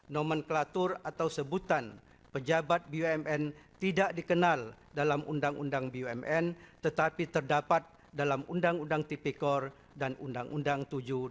nomenklatur atau sebutan pejabat bumn tidak dikenal dalam undang undang bumn tetapi terdapat dalam undang undang tipikor dan undang undang tujuh dua ribu